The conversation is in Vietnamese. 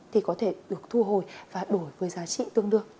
thì có thể được thu hồi và đổi với giá trị tương đương